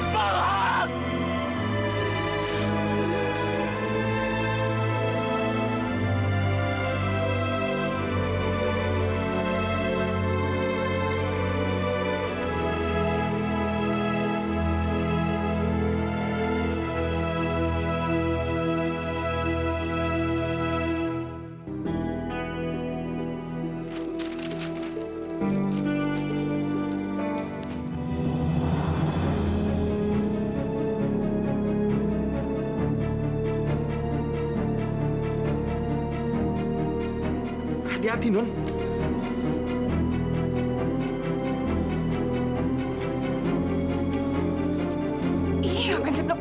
nama dia terbaik